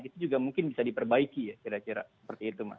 itu juga mungkin bisa diperbaiki ya kira kira seperti itu mas